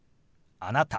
「あなた」。